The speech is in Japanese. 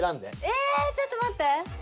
えっちょっと待って。